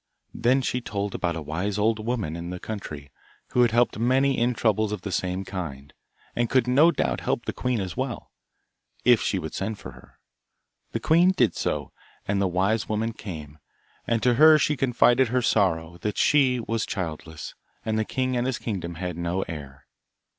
Then she told about a wise old woman in that country, who had helped many in troubles of the same kind, and could no doubt help the queen as well, if she would send for her. The queen did so, and the wise woman came, and to her she confided her sorrow, that she, was childless, and the king and his kingdom had no heir.